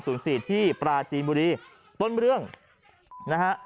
กลับมาพร้อมขอบความ